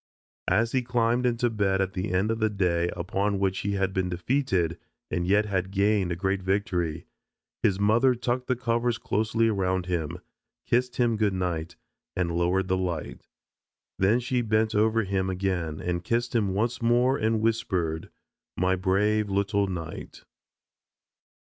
As he climbed into bed at the end of the day upon which he had been defeated and yet had gained a great victory, his mother tucked the covers closely around him, kissed him good night, and lowered the light. Then she bent over him again and kissed him once more and whispered, "My brave little knight."